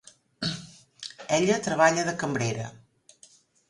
Ella treballa de cambrera.